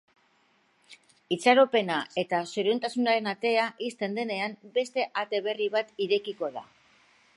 Itxaropena eta zoriontasunaren atea ixten denean, beste ate berri bat irekiko da.